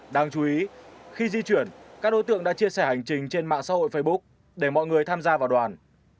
đáng chú ý khi di chuyển các đối tượng đã chia sẻ hành trình trên mạng xã hội facebook để mọi người tham gia vào đoàn